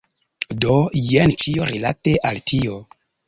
Do jen ĉio rilate al tio.